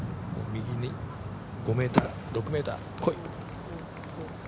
右に５ｍ、６ｍ、こい。